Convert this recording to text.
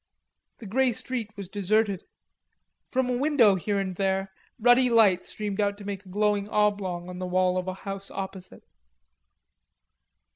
The grey street was deserted. From a window here and there ruddy light streamed out to make a glowing oblong on the wall of a house opposite.